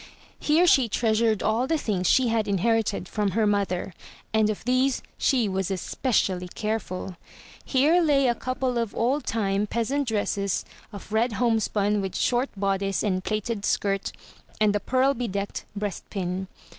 Here she treasured all the things she had inherited from her mother, and of these 410 THROUGH FAIRY HALLS she was especially careful. Here lay a couple of old time peasant dresses, of red homespun with short bodice and plaited skirt, and a pearl bedecked breast pin.